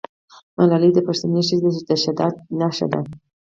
ملالۍ د پښتنې ښځې د شجاعت نښه ده.